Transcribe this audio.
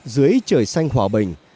dưới trời xanh hòa bình